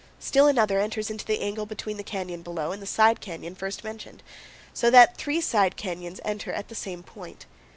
Still another enters in the angle between the canyon below and the side canyon first mentioned; so that three side canyons enter at the same point.